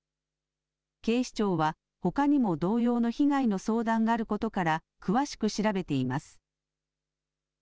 警視庁は、ほかにも同様の被害の相談があることから、詳しく調べています。